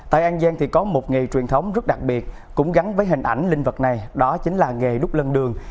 tại an giang thì có một nghề truyền thống rất đặc biệt cũng gắn với hình ảnh linh vật này đó chính là nghề đúc lân đường